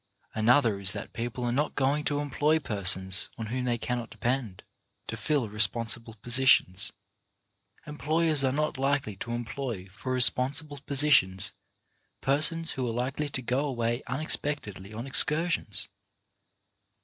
Another is that people are not going to employ persons on whom they cannot depend, to fill responsible positions. Employers are not likely to employ for responsible positions persons who are likely to go away unexpectedly on excursions.